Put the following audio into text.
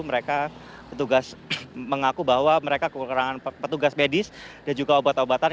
mereka petugas mengaku bahwa mereka kekurangan petugas medis dan juga obat obatan